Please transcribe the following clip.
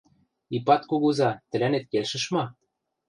Ипат кугуза, тӹлӓнет келшӹш ма?